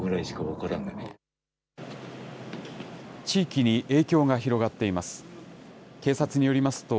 地域に影響が広がっています。